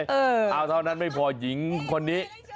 เอาเท่านั้นไม่พอหญิงคนนี้